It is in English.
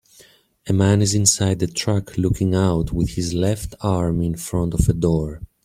A man is inside a truck looking out with his left arm in front of a door.